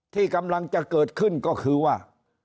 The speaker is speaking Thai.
ที่กำลังจะเกิดขึ้นก็คือว่า